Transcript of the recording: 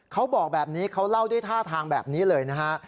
เขาบอกแบบนี้เขาเล่าด้วยท่าทางแบบนี้เลยนะฮะ